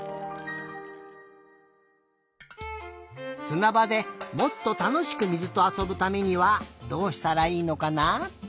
すなばでもっとたのしく水とあそぶためにはどうしたらいいのかな？